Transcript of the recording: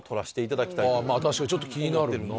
確かにちょっと気になるな。